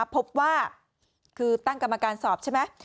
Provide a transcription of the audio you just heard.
พบว่าคือตั้งกรรมการสอบใช่ไหม